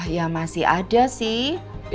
ya masih ada sih